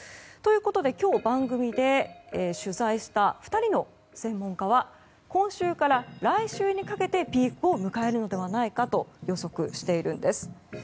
ということで、今日番組で取材した２人の専門家は今週から来週にかけてピークを迎えるのではないかと予測しているんです。